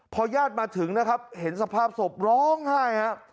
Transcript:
พอญาติมาถึงนะครับเห็นสภาพศพร้องไห้ครับ